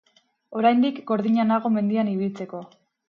Oraindik gordina nago mendian ibiltzeko.